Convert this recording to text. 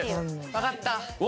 わかった？